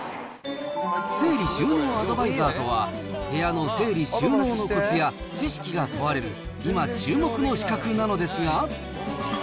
整理収納アドバイザーとは、部屋の整理収納のコツや、知識が問われる、今注目の資格なのですが。